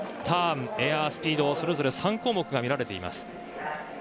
ターン、エア、スピードそれぞれ３項目が見られています。